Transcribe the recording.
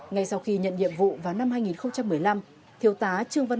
ngay sau khi nhận nhiệm vụ vào năm hai nghìn một mươi năm